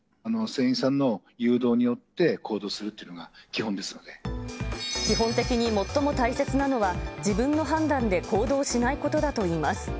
船員さんの誘導によって行動する基本的に最も大切なのは、自分の判断で行動しないことだといいます。